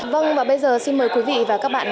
vâng và bây giờ xin mời quý vị và các bạn